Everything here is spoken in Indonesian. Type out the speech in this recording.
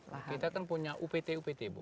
nah kita kan punya upt upt bu